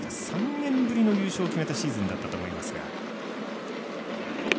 ３年ぶりの優勝を決めたシーズンだったと思いますが。